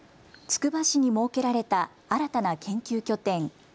つくば市に設けられた新たな研究拠点。